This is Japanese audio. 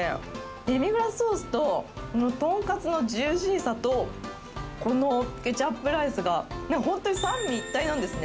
デミグラスソースと、このトンカツのジューシーさと、このケチャップライスが、本当に三位一体なんですね。